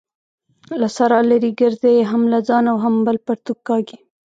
له سارا لري ګرځئ؛ هم له ځانه او هم بله پرتوګ کاږي.